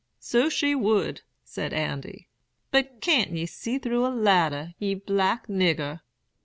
"'So she would,' said Andy; 'but can't ye see through a ladder, ye black nigger?